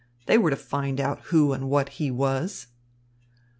They were to find out who and what he was.